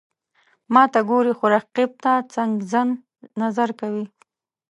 ماته ګوري، خو رقیب ته څنګزن نظر کوي.